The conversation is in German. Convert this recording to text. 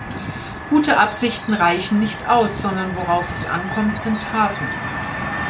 Gute Absichten reichen nicht aus, sondern worauf es ankommt, sind Taten.